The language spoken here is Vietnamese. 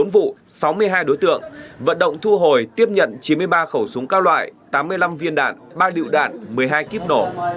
bốn mươi bốn vụ sáu mươi hai đối tượng vận động thu hồi tiếp nhận chín mươi ba khẩu súng cao loại tám mươi năm viên đạn ba lựu đạn một mươi hai kiếp nổ